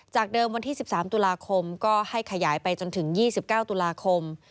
เดิมวันที่๑๓ตุลาคมก็ให้ขยายไปจนถึง๒๙ตุลาคม